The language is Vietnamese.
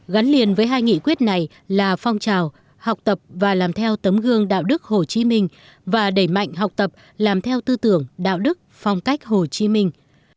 gắn liền với hai nghị quyết này là phong trào học tập và làm theo tấm gương đạo đức hồ chí minh và đẩy mạnh học tập làm theo tư tưởng đạo đức phong cách hồ chí minh